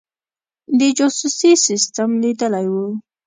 د جاسوسي سسټم لیدلی وو.